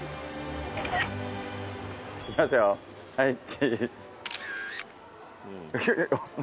いきますよ、はい、チーズ。